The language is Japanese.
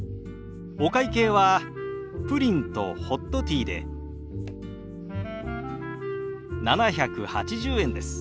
お会計はプリンとホットティーで７８０円です。